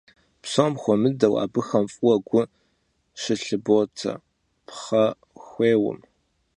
Psom xuemıdeu abıxem f'ıue gu şılhıbote pxhexuêym.